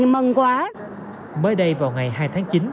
mới đây vào ngày hai tháng chín